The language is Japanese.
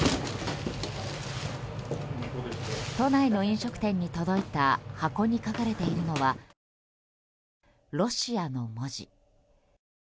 都内の飲食店に届いた箱に書かれているのは「ロシア」の文字。